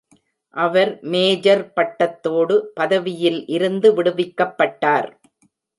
அவர் major பட்டத்தோடு பதவியில் இருந்து விடுவிக்கப்பட்டார்.